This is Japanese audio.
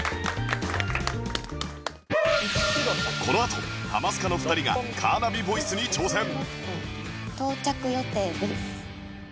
このあと『ハマスカ』の２人がカーナビボイスに挑戦到着予定です。